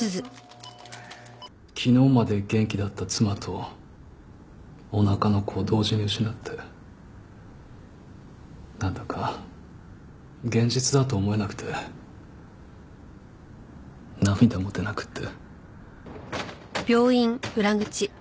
昨日まで元気だった妻とおなかの子を同時に失ってなんだか現実だと思えなくて涙も出なくって。